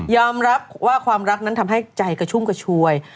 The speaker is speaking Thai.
รับว่าความรักนั้นทำให้ใจกระชุ่มกระชวย